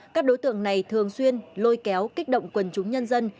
các đối tượng này thường xuyên lôi kéo kích động quân chủng nhân dân